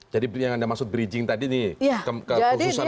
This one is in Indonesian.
jadi yang anda maksud bridging tadi nih ke khususan masing masing ya